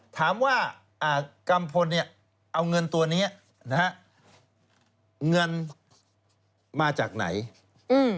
ถามว่าอ่ากัมพลเนี้ยเอาเงินตัวเนี้ยนะฮะเงินมาจากไหนอืม